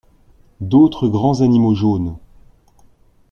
D’autres grands animaux jaunes.